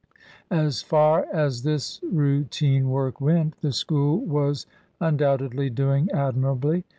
As far as this routine work went, the school was undoubtedly doing admirably.